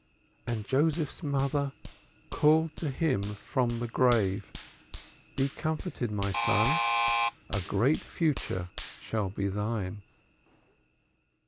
"And Joseph's mother called to him from the grave: Be comforted, my son, a great future shall be thine."